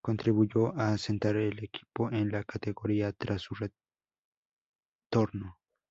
Contribuyó a asentar el equipo en la categoría tras su retorno.